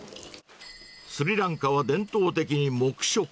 スリランカは伝統的に黙食。